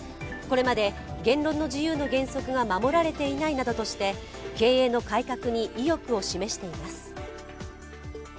これまで言論の自由の原則が守られていないなどとして、経営の改革に意欲を示しています。